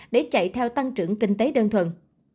để chạy theo tăng trưởng kinh tế đơn thuần